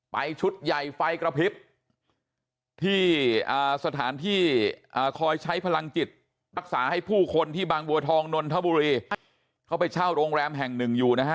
ชุดใหญ่ไฟกระพริบที่สถานที่คอยใช้พลังจิตรักษาให้ผู้คนที่บางบัวทองนนทบุรีเขาไปเช่าโรงแรมแห่งหนึ่งอยู่นะฮะ